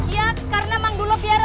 iya karena mang duloh biar itu yul